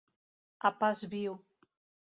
A pas viu.